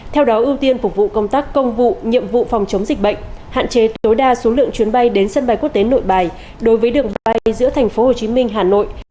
theo đó ưu tiên phục vụ công tác công vụ nhiệm vụ phòng chống dịch bệnh hạn chế tối đa số lượng chuyến bay đến sân bay quốc tế nội bài đối với đường bay giữa thành phố hồ chí minh hà nội